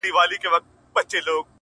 هم عقل وينم، هم هوا وينم، هم ساه وينم,